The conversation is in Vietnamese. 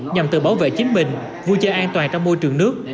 nhằm tự bảo vệ chính mình vui chơi an toàn trong môi trường nước